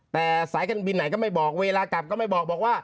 แต่สายการบินไหนก็ไม่บอกเวลากลับก็ไม่บอกว่า